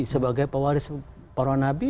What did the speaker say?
sebagai pewaris para nabi